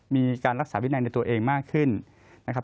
มีการรักษาวินัยในตัวเองมากขึ้นนะครับ